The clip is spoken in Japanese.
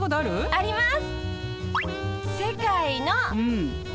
あります！